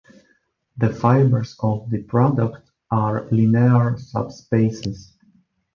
The fibers of the product are linear subspaces.